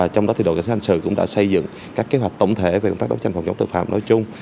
trong đó đội cảnh sát hành sự cũng đã xây dựng các kế hoạch tổng thể về công tác đấu tranh phòng chống tội phạm nói chung